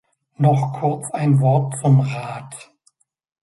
Noch kurz ein Wort zum Rat.